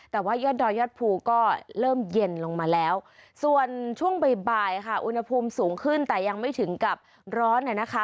แต่ว่ายอดดอยยอดภูก็เริ่มเย็นลงมาแล้วส่วนช่วงบ่ายค่ะอุณหภูมิสูงขึ้นแต่ยังไม่ถึงกับร้อนนะคะ